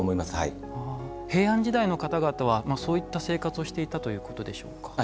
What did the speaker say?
平安時代の方々はそういった生活をされていたということでしょうか。